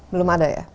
belum ada ya